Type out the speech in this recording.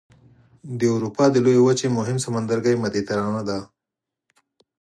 د اروپا د لویې وچې مهم سمندرګی مدیترانه دی.